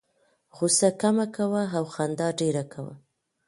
غوسه کمه کوه او خندا ډېره کوه.